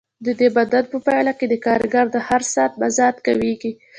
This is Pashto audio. د دې بدلون په پایله کې د کارګر د هر ساعت مزد کمېږي